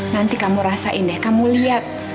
nanti kamu rasain deh kamu lihat